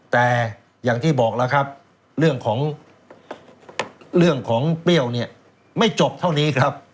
แต่อย่างที่บอกแล้วครับเรื่องของเปรี้ยวไม่จบเท่านี้ครับ